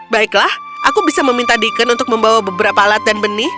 baiklah aku bisa meminta deacon untuk membawa beberapa alat dan benih